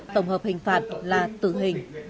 tổng hợp hình phạt là tử hình